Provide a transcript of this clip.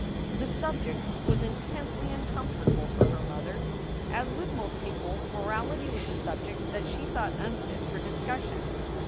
The subject was intensely uncomfortable for her mother. As with most people, morality was a subject that she thought unfit for discussion.